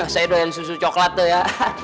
saya doyan susu coklat ya